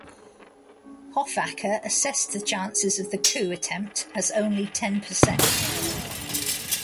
Hofacker assessed the chances of the coup attempt as "only ten percent".